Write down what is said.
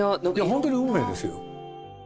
本当に運命ですよ。